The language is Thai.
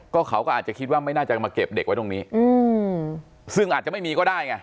ก็เขาก็อาจจะคิดว่าไม่น่าจะมาเก็บเด็กไว้ตรงนี้อืมซึ่งอาจจะไม่มีก็ได้ไง